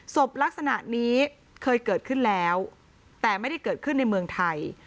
ศพลักษณะนี้เคยเกิดขึ้นแล้วแต่ไม่ได้เกิดขึ้นในเมืองไทย